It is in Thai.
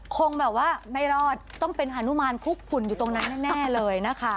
คงแบบว่าไม่รอดต้องเป็นฮานุมานคุกฝุ่นอยู่ตรงนั้นแน่เลยนะคะ